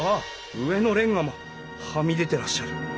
上のレンガもはみ出てらっしゃる。